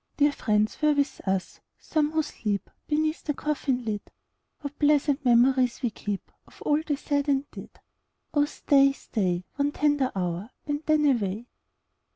Dear friends were with us, some who sleep Beneath the coffin lid : What pleasant memories we keep Of all they said and did ! Oh stay, oh stay, One tender hour, and then away.